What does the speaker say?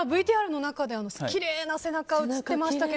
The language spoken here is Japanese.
ＶＴＲの中できれいな背中が映っていましたが。